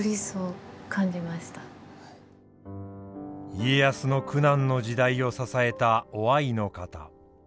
家康の苦難の時代を支えた於愛の方。